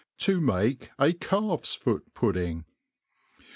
To make a Calfs Foot Pudding.